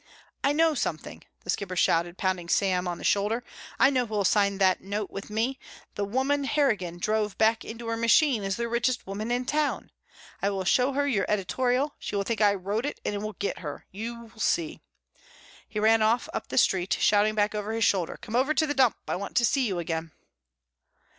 "I know something," The Skipper shouted, pounding Sam on the shoulder. "I know who will sign that note with me. The woman Harrigan drove back into her machine is the richest woman in town. I will show her your editorial. She will think I wrote it and it will get her. You'll see." He ran off up the street, shouting back over his shoulder, "Come over to the dump, I want to see you again."